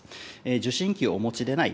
受信機をお持ちでない、